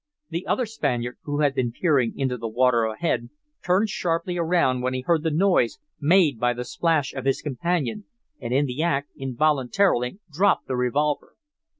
The other Spaniard, who had been peering into the water ahead, turned sharply around when he heard the noise made by the splash of his companion, and in the act involuntarily dropped the revolver.